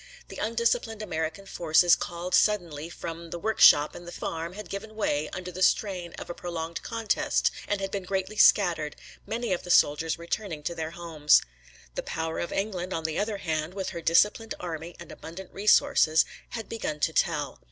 The undisciplined American forces called suddenly from the workshop and the farm had given way, under the strain of a prolonged contest, and had been greatly scattered, many of the soldiers returning to their homes. The power of England, on the other hand, with her disciplined army and abundant resources, had begun to tell.